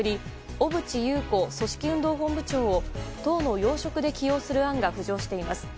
小渕優子組織運動本部長を党の要職で起用する案が浮上しています。